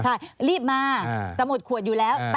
ใช่รีบมาจะหมดขวดอยู่แล้ว